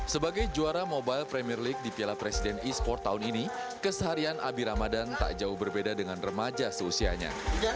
sebagai juara mobile premier league di piala presiden e sport tahun ini keseharian abi ramadan tak jauh berbeda dengan remaja seusianya